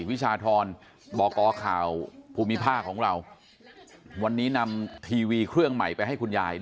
วิชาธรบกข่าวภูมิภาคของเราวันนี้นำทีวีเครื่องใหม่ไปให้คุณยาย